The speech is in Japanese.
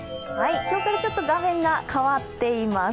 今日から画面が変わっています。